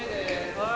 はい。